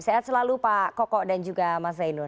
sehat selalu pak koko dan juga mas zainur